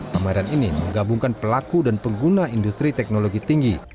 pameran ini menggabungkan pelaku dan pengguna industri teknologi tinggi